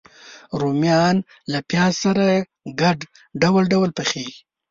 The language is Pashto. رومیان له پیاز سره ګډ ډول ډول پخېږي